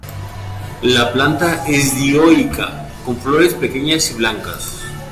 La planta es dioica, con flores pequeñas y blancas.